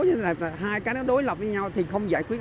hai cái đó đối lập với nhau thì không giải quyết